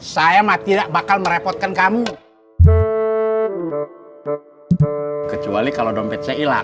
saya tidak bakal merepotkan kamu kecuali kalau dompet saya hilang